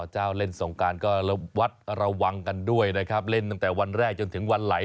เล่นสงการก็ระวัดระวังกันด้วยนะครับเล่นตั้งแต่วันแรกจนถึงวันไหล